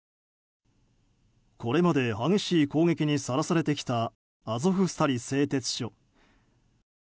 これまで激しい攻撃にさらされてきたアゾフスタリ製鉄所。